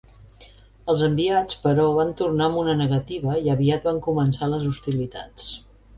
Els enviats, però, van tornar amb una negativa i aviat van començar les hostilitats.